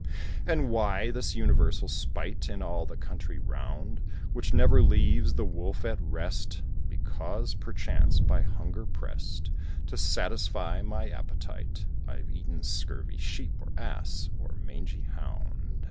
And why this universal spite, In all the country round, Which never leaves the Wolf at rest? Because, perchance, by hunger prest, To satisfy my appetite, I've eaten scurvy sheep, or ass, or mangy hound.